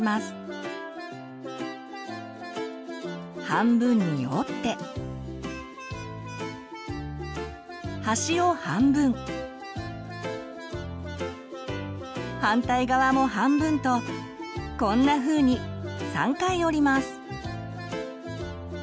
半分に折って端を半分反対側も半分とこんなふうに３回折ります。